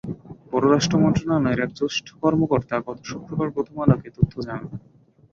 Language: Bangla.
পররাষ্ট্র মন্ত্রণালয়ের এক জ্যেষ্ঠ কর্মকর্তা গত শুক্রবার প্রথম আলোকে এ তথ্য জানান।